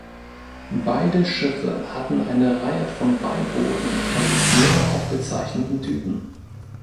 Beide Schiffe hatten eine Reihe von Beibooten von nicht näher aufgezeichneten Typen.